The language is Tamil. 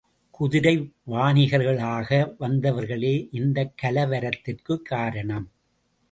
குதிரை வாணிகர்களாக வந்தவர்களே இந்தக் கலவரத்திற்குக் காரணம்.